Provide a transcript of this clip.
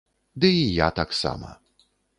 Ды і я таксама!